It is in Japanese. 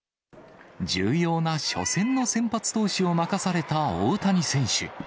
重要な初戦の先発投手を任された大谷選手。